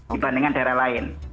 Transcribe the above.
dibandingkan daerah lain